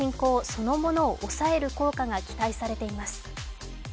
そのものを抑える効果が期待されています。